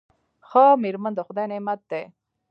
ښه میرمن د خدای نعمت دی.